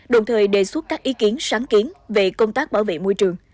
đồng thời đề xuất các ý kiến sáng kiến về công tác bảo vệ môi trường